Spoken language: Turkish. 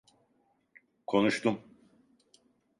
Konuştum…